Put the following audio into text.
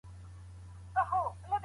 هغه څوک چې علم لري د ټولنې شتمني ده.